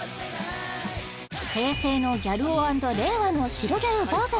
平成のギャル男＆令和の白ギャルｖｓ